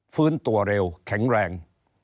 ฟื้นตัวเร็วแข็งแรง